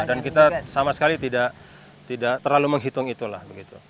dan kita sama sekali tidak terlalu menghitung itulah